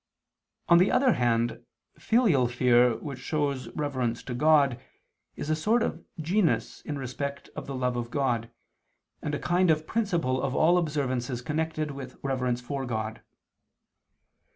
On the other hand filial fear which shows reverence to God, is a sort of genus in respect of the love of God, and a kind of principle of all observances connected with reverence for God.